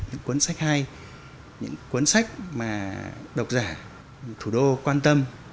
những cuốn sách hay những cuốn sách mà độc giả thủ đô quan tâm